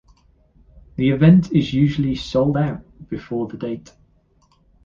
The event is usually "sold out" before the date.